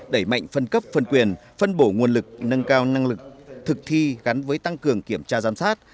đẩy mạnh phân cấp phân quyền phân bổ nguồn lực nâng cao năng lực thực thi gắn với tăng cường kiểm tra giám sát